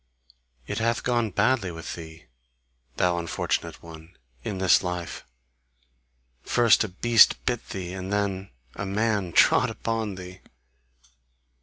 It hath gone badly with thee, thou unfortunate one, in this life: first a beast bit thee, and then a man trod upon thee!"